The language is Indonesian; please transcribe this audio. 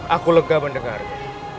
aku lega mendengarnya